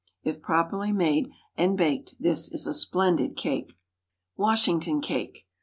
If properly made and baked this is a splendid cake. WASHINGTON CAKE.